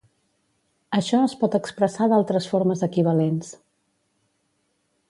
Això es pot expressar d'altres formes equivalents.